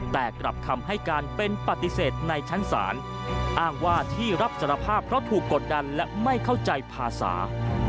แต่กลับคำให้การเป็นปฏิเสธในชั้นศาลอ้างว่าที่รับสารภาพเพราะถูกกดดันและไม่เข้าใจภาษา